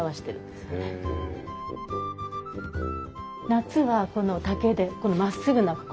夏はこの竹でこの真っすぐな心。